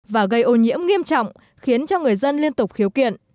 và gây ô nhiễm nghiêm trọng khiến cho người dân liên tục khiếu kiện